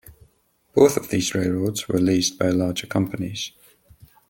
Both of these railroads were leased by larger companies.